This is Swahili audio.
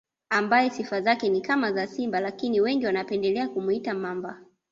Ambaye sifa zake ni kama za simba lakini wengi wanapendelea kumuita Mamba